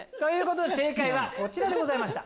正解はこちらでございました。